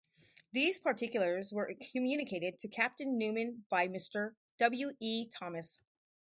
These particulars were communicated to Captain Newman by Mr. W. E. Thomas.